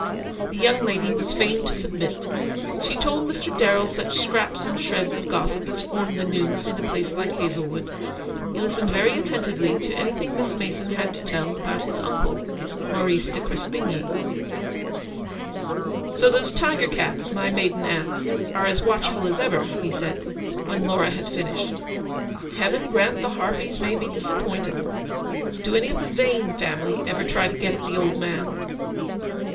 The young lady was fain to submit. She told Mr. Darrell such scraps and shreds of gossip as form the "news" in a place like Hazlewood. He listened very attentively to anything Miss Mason had to tell about his uncle, Maurice de Crespigny." LAUNCELOT. 297 " So those tiger cats, my maiden aunts, are as watchful as ever/' he said, when Laura had finished. " Heaven grant the harpies may be disappointed. Do any of the Vane family ever try to get at the old man